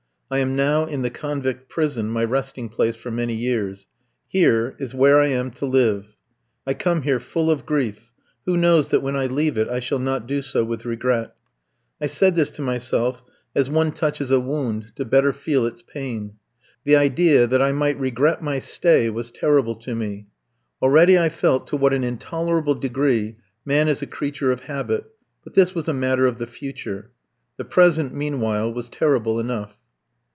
I am now in the convict prison, my resting place for many years. Here is where I am to live. I come here full of grief, who knows that when I leave it I shall not do so with regret? I said this to myself as one touches a wound, the better to feel its pain. The idea that I might regret my stay was terrible to me. Already I felt to what an intolerable degree man is a creature of habit, but this was a matter of the future. The present, meanwhile, was terrible enough.